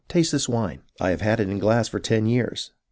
Taste this wine ; I have had it in glass for ten years.'